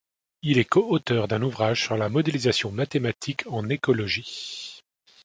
Il est co-auteur d’un ouvrage sur la modélisation mathématique en écologie.